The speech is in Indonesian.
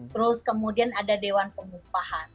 terus kemudian ada dewan pengupahan